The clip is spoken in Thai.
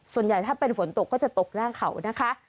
ส่วนใหญ่ถ้าเป็นฝนตกก็จะตกร่างเขานะคะ